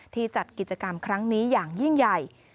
จัดกิจกรรมครั้งนี้อย่างยิ่งใหญ่